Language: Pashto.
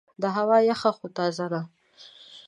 دا هوا یخه خو تازه ده.